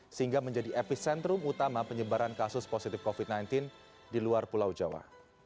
sehingga menjadi epicentrum utama penyebaran kasus positif covid sembilan belas di luar pulau jawa